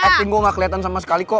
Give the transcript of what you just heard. acting gue gak keliatan sama sekali kok